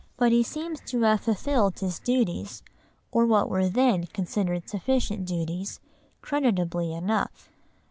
But he seems to have fulfilled his duties, or what were then considered sufficient duties, creditably enough.